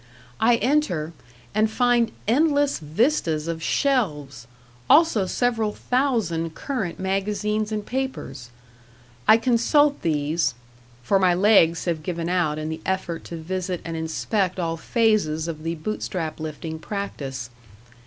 I enter, and find endless vistas of shelves, also several thousand current magazines and papers. I consult these for my legs have given out in the effort to visit and inspect all phases of the Bootstrap lifting practice.